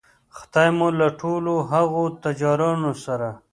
خدای مو له ټولو هغو تجارانو سره